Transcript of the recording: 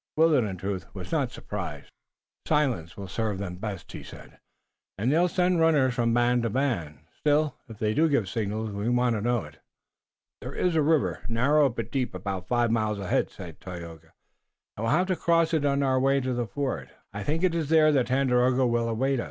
Willet, in truth, was not surprised. "Silence will serve them best," he said, "and they'll send runners from band to band. Still, if they do give signals we want to know it." "There is a river, narrow but deep, about five miles ahead," said Tayoga, "and we'll have to cross it on our way to the fort. I think it is there that Tandakora will await us."